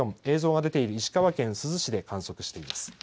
震度４、映像が出ている石川県珠洲市で観測しています。